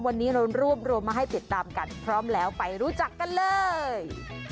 วันนี้เรารวบรวมมาให้ติดตามกันพร้อมแล้วไปรู้จักกันเลย